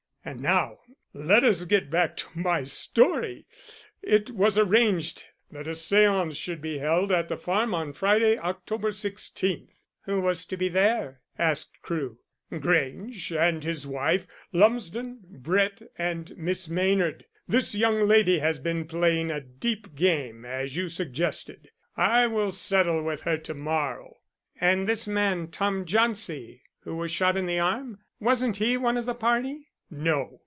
And now let us get back to my story. It was arranged that a séance should be held at the farm on Friday, October 16th." "Who was to be there?" asked Crewe. "Grange and his wife, Lumsden, Brett and Miss Maynard. This young lady has been playing a deep game, as you suggested. I will settle with her to morrow." "And this man, Tom Jauncey, who was shot in the arm, wasn't he one of the party?" "No."